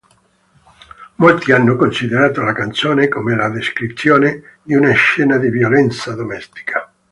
Molti hanno considerato la canzone come la descrizione di una scena di violenza domestica.